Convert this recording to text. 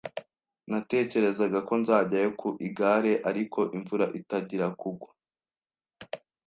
Natekerezaga ko nzajyayo ku igare, ariko imvura itangira kugwa.